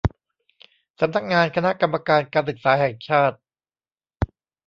สำนักงานคณะกรรมการการศึกษาแห่งชาติ